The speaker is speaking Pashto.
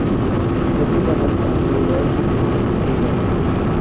غزني د افغانستان د ولایاتو په کچه توپیر لري.